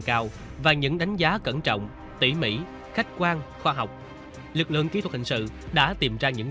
cao và những đánh giá cẩn trọng tỉ mỉ khách quan khoa học lực lượng kỹ thuật hình sự đã tìm ra những